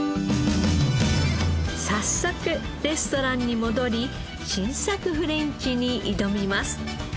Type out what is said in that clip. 早速レストランに戻り新作フレンチに挑みます。